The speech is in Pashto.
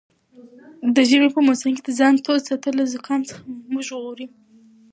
د ژمي په موسم کې د ځان تود ساتل له زکام څخه مو ژغوري.